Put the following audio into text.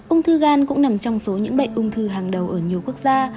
ung thư gan cũng nằm trong số những bệnh ung thư hàng đầu ở nhiều quốc gia